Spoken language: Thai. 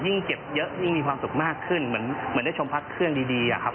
เก็บเยอะยิ่งมีความสุขมากขึ้นเหมือนได้ชมพักเครื่องดีอะครับ